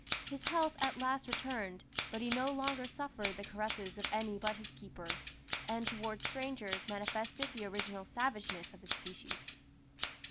His health at last returned, but he no longer suffered the caresses of any but his keepers, and towards strangers manifested the original savageness of his species.